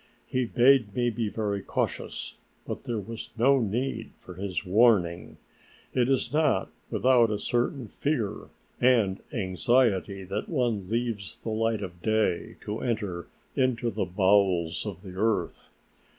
He bade me be very cautious, but there was no need for his warning. It is not without a certain fear and anxiety that one leaves the light of day to enter into the bowels of the earth.